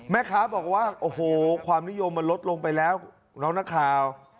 แม่ค้าบอกว่าโอ้โหความนิยมมันลดลงไปแล้วน้องนักข่าว